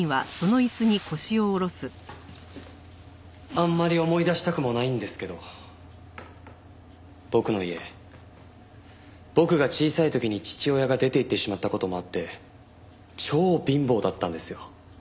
あんまり思い出したくもないんですけど僕の家僕が小さい時に父親が出ていってしまった事もあって超貧乏だったんですよ。